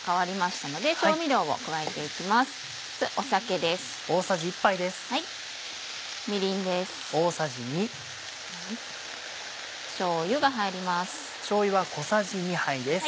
しょうゆが入ります。